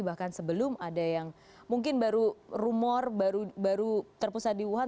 bahkan sebelum ada yang mungkin baru rumor baru terpusat di wuhan